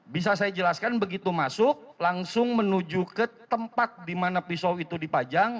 bisa saya jelaskan begitu masuk langsung menuju ke tempat di mana pisau itu dipajang